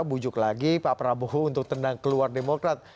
bujuk lagi pak prabowo untuk tenang keluar demokrat